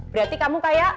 berarti kamu kayak